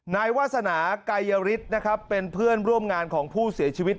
นายวาสนาไกยริสเป็นเพื่อนร่วมงานของผู้เสียชีวิต